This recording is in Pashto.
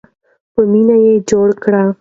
په مینه یې جوړ کړئ.